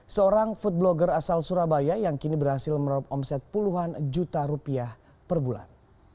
seorang food blogger asal surabaya yang kini berhasil meraup omset puluhan juta rupiah per bulan